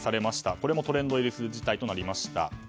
これもトレンド入りする事態となりました。